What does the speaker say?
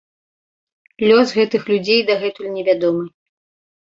Лёс гэтых людзей дагэтуль невядомы.